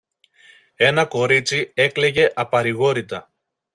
ένα κορίτσι έκλαιγε απαρηγόρητα.